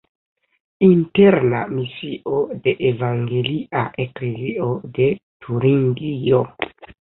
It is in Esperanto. Interna misio de Evangelia eklezio de Turingio.